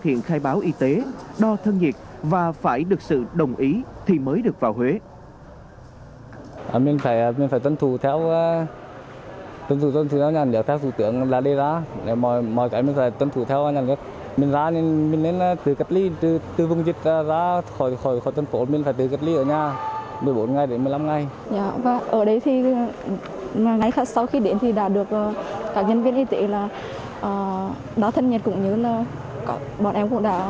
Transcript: hiện khai báo y tế đo thân nhiệt và phải được sự đồng ý thì mới được vào huế